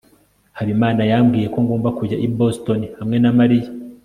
habimana yambwiye ko ngomba kujya i boston hamwe na mariya